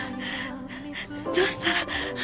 どうしたら。